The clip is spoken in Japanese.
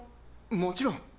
もちろん。